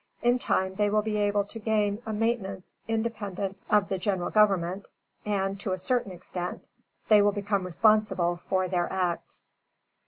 In time they will be able to gain a maintenance independent of the General Government; and, to a certain extent, they will become responsible for their acts."